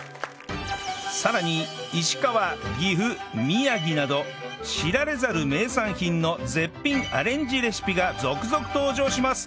さらに石川岐阜宮城など知られざる名産品の絶品アレンジレシピが続々登場します